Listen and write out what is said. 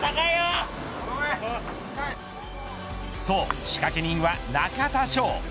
そう、仕掛け人は中田翔。